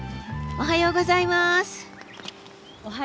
おはようございます。